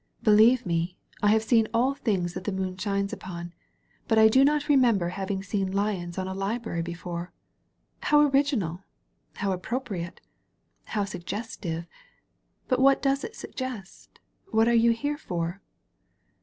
Believe me, I have seen all things that the moon shines upon. But I do not remember having seen Lions on a Library before. How orig inal! How appropriate! How suggestive! But what does it suggest? What are you here for?"